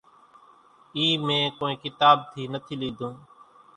اِي مين ڪونئين ڪتاٻ ٿي نٿي ليڌون